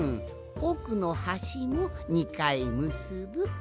おくのはしも２かいむすぶ。